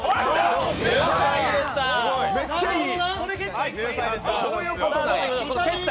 めっちゃいい！